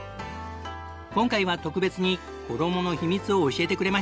今回は特別に衣の秘密を教えてくれました。